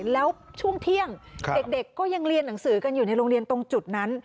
แล้วช่วงเที่ยงเด็กก็ยังเรียนหนังสือกันอยู่ในโรงเรียนตรงจุดนั้น